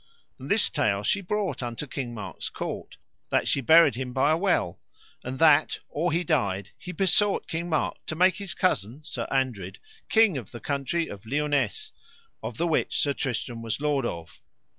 And this tale she brought unto King Mark's court, that she buried him by a well, and that or he died he besought King Mark to make his cousin, Sir Andred, king of the country of Liones, of the which Sir Tristram was lord of.